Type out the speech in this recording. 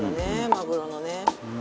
マグロのね。